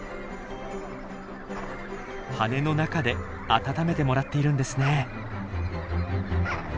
羽の中で温めてもらっているんですね。